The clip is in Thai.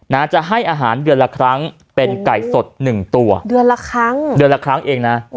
นะจะให้อาหารเดือนละครั้งเป็นไก่สดหนึ่งตัวเดือนละครั้งเดือนละครั้งเองนะ